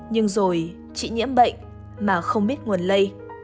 nhưng rồi chị nhiễm bệnh mà không biết nguồn lây